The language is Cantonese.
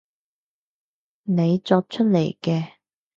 你作出嚟嘅